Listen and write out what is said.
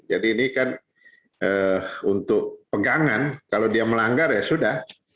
jadi ini kan untuk pegangan kalau dia melanggar ya sudah